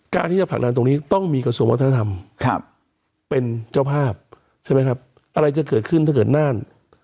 การพลักดันต้องมีกระทรวมวัฒนธรรมเป็นเจ้าภาพอะไรจะเกิดถ้าเกิดน่าน